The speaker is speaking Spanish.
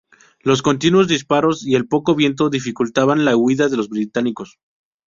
Los continuos disparos y el poco viento dificultaban la huida de los británicos.